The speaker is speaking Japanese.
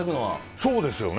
そうですよね。